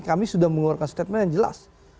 kami sudah mengeluarkan statement yang jelas